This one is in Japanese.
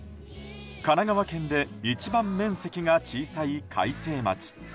神奈川県で一番面積が小さい開成町。